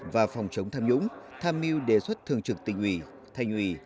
và phòng chống tham nhũng tham mưu đề xuất thường trực tỉnh ủy thành ủy